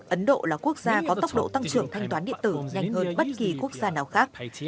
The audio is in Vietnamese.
ấn độ là quốc gia có tốc độ tăng trưởng thanh toán điện tử nhanh hơn bất kỳ quốc gia nào khác